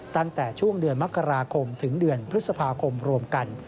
ตั้งแต่ช่วงเดือนมกราคมถึงเดือนพฤษภาคมรวมกัน